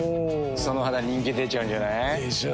その肌人気出ちゃうんじゃない？でしょう。